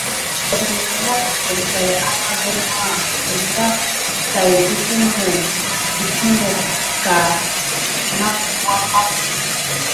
Ernénè na buna täki amà grirmà sem.yà saki depumosok kà nakua pak.